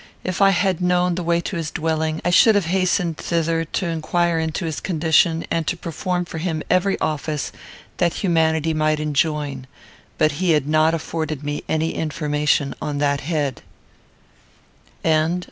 If I had known the way to his dwelling, I should have hastened thither, to inquire into his condition, and to perform for him every office that humanity might enjoin; but he had not afforded me any information on that head.